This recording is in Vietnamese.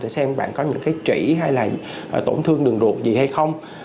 để xem bạn có những cái trĩ hay là tổn thương đường ruột gì hay không